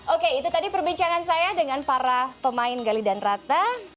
oke itu tadi perbincangan saya dengan para pemain gali dan ratna